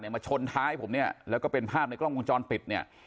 มาชนท้ายผมเนี่ยแล้วก็เป็นภาพในกล้องวงจรปิดเนี่ย